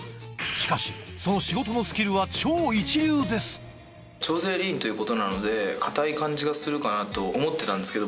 しかしその徴税吏員ということなので堅い感じがするかなと思ってたんですけど